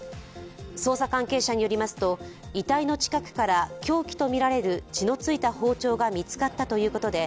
捜査関係者によりますと遺体の近くから凶器とみられる血のついた包丁が見つかったということで、